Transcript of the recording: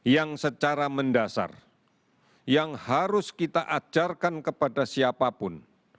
yang secara mendasar yang harus kita ajarkan kepada siapapun